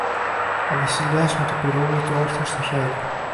Ο Βασιλιάς, με το πιρούνι του όρθιο στο χέρι